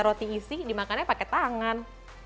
roti isi dimakannya pakai tangan